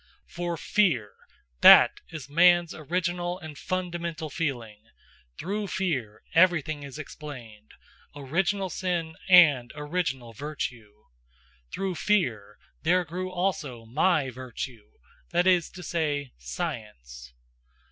For fear that is man's original and fundamental feeling; through fear everything is explained, original sin and original virtue. Through fear there grew also MY virtue, that is to say: Science.